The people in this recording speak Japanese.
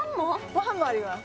・ご飯もあります